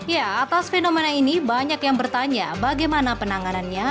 ya atas fenomena ini banyak yang bertanya bagaimana penanganannya